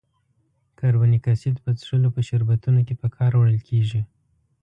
کاربونیک اسید په څښلو په شربتونو کې په کار وړل کیږي.